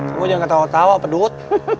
kau jangan ketawa ketawa pedut